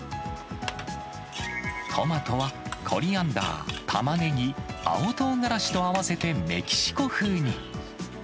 トマトは、コリアンダー、タマネギ、青トウガラシと合わせてメキシコ風に。